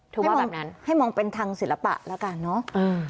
ว่าแบบนั้นให้มองเป็นทางศิลปะแล้วกันเนอะ